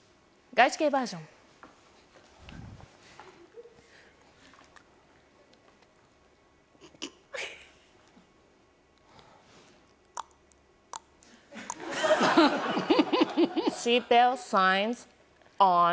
外資系バージョン。